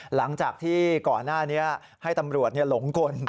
หลังจากที่ก่อนหน้านี้ให้ตำรวจหลงกล